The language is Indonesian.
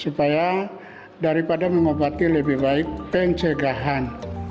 supaya daripada mengobati lebih baik pencegahan